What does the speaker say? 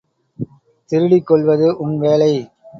திருடிக் கொள்வது உன் வேலை.